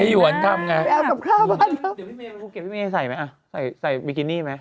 เดี๋ยวพี่เมย์พี่เมย์ใส่ไหมใส่บิกินี่ไหม